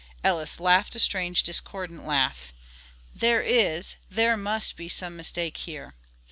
Ellis laughed a strange, discordant laugh. "There is, there must be some mistake here.